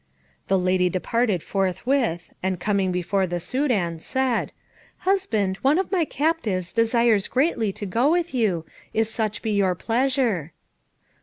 The lady departed forthwith, and coming before the Soudan, said, "Husband, one of my captives desires greatly to go with you, if such be your pleasure."